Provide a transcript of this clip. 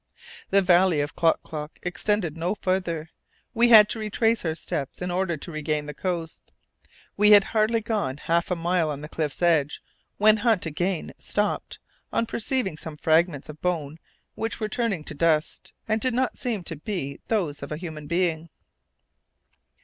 The valley of Klock Klock extended no farther; we had to retrace our steps in order to regain the coast. We had hardly gone half a mile on the cliff's edge when Hunt again stopped, on perceiving some fragments of bones which were turning to dust, and did not seem to be those of a human being.